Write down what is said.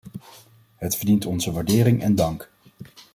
Het verdient onze waardering en dank.